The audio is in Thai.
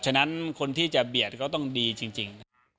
ฉะนั้นคนที่จะเบียดก็ต้องดีจริง